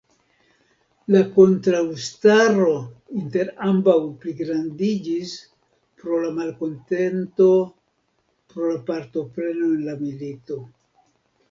La kontraŭstaro inter ambaŭ pligrandiĝis pro la malkontento pro la partopreno en la milito.